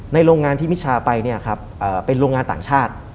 ในโรงงานที่มิชชาไปเป็นโรงงานต่างชาติ